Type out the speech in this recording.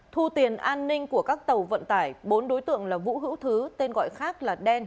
thu tiền an ninh của các tàu vận tải bốn đối tượng là vũ hữu thứ tên gọi khác là đen